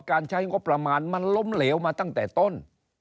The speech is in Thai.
การใช้งบประมาณมันล้มเหลวมาตั้งแต่ต้น